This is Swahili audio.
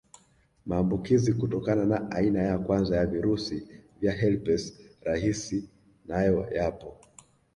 Maambukizi kutokana na aina ya kwanza ya virusi vya herpes rahisi nayo yapo